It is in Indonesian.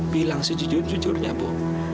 bilang sejujurnya bu